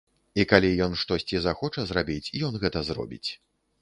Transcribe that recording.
І калі ён штосьці захоча зрабіць, ён гэта зробіць.